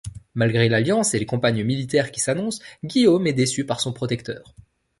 Malgré l'alliance et les campagnes militaires qui s'annoncent, Guillaume est déçu par son protecteur.